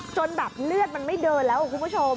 จนแบบเลือดมันไม่เดินแล้วคุณผู้ชม